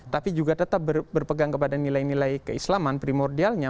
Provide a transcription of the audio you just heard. tapi juga tetap berpegang kepada nilai nilai keislaman primordialnya